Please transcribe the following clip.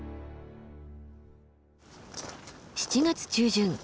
７月中旬。